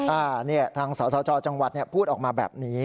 อ้านี่ทางสวทชจังหวัดเนี่ยพูดออกมาแบบนี้